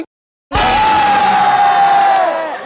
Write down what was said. เอ้ย